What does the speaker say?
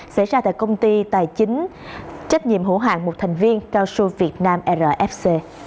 xảy ra tại công ty tài chính trách nhiệm hữu hạng một thành viên cao su việt nam rfc